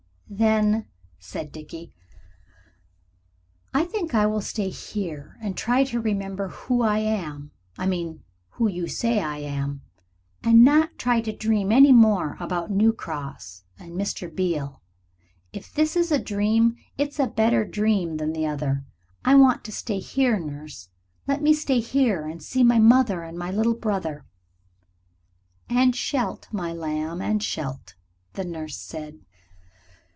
"Then," said Dickie, "I think I will stay here, and try to remember who I am I mean who you say I am and not try to dream any more about New Cross and Mr. Beale. If this is a dream, it's a better dream than the other. I want to stay here, Nurse. Let me stay here and see my mother and my little brother." "And shalt, my lamb and shalt," the nurse said.